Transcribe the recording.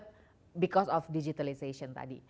tapi karena digitalisasi tadi